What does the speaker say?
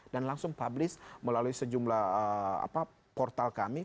dan langsung publish melalui sejumlah portal kami